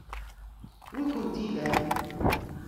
Wi kumt-illa?